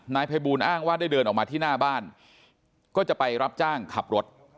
นายภัยบูลอ้างว่าได้เดินออกมาที่หน้าบ้านก็จะไปรับจ้างขับรถ